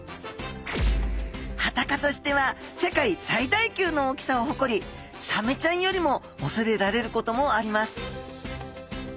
ハタ科としては世界最大級の大きさをほこりサメちゃんよりもおそれられることもあります